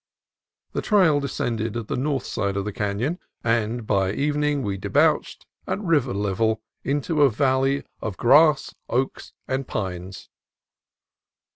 The trail descended the north side of the canon, and by evening we debouched at river level into a valley of grass, oaks, and pines.